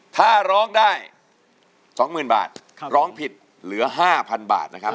ถ้าร้องได้๒๐๐๐บาทร้องผิดเหลือ๕๐๐๐บาทนะครับ